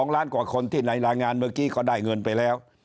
ล้านกว่าคนที่ในรายงานเมื่อกี้ก็ได้เงินไปแล้ว